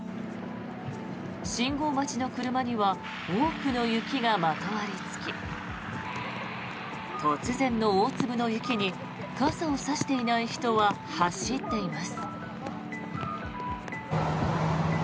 信号待ちの車には多くの雪がまとわりつき突然の大粒の雪に傘を差していない人は走っています。